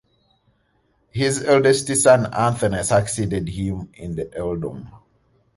His eldest son Anthony succeeded him in the earldom.